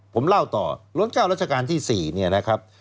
ผมเล่าต่อล้นเจ้ารัชกาลที่๔เนี่ยนะครับ